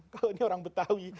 kalau ini orang betawi